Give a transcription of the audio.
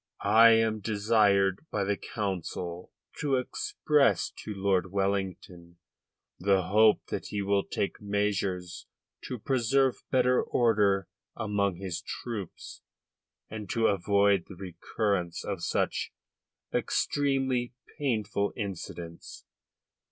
"I am desired by the Council to express to Lord Wellington the hope that he will take measures to preserve better order among his troops and to avoid the recurrence of such extremely painful incidents."